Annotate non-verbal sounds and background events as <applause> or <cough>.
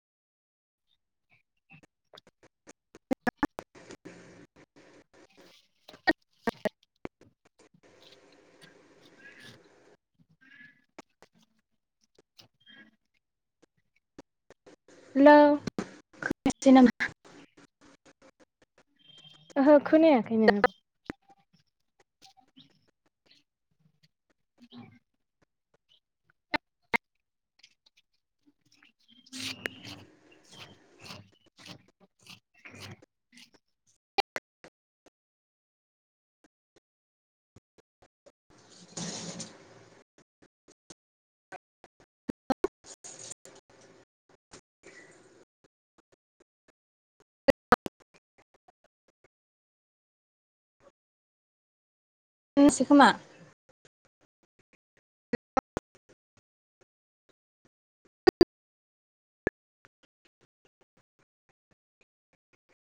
Hello खोनायासै नामा? ओहो खोनयाखैनो। <inaudible> दोननोसै खोमा?